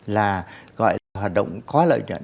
là gọi là hoạt động có lợi nhuận